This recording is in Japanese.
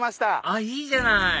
あっいいじゃない！